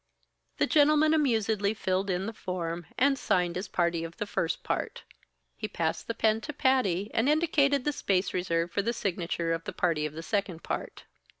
The gentleman amusedly filled in the form, and signed as party of the first part. He passed the pen to Patty and indicated the space reserved for the signature of the party of the second part.